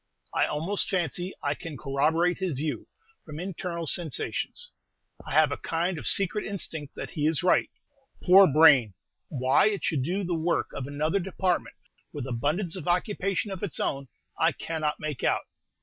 I almost fancy I can corroborate his view, from internal sensations; I have a kind of secret instinct that he is right. Poor brain! why it should do the work of another department, with abundance of occupation of its own, I cannot make out.